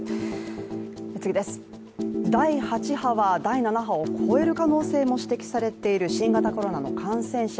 第８波は第７波を超える可能性も指摘されている新型コロナの感染者。